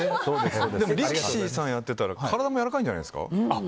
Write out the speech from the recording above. でも力士さんをやってたら体も柔らかいんじゃないですか？